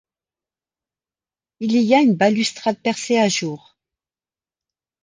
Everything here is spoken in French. Il y a une balustrade percée à jour